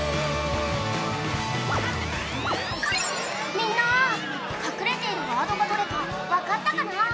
みんな、隠れているワードがどれか分かったかな？